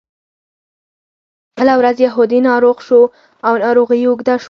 بله ورځ یهودي ناروغ شو او ناروغي یې اوږده شوه.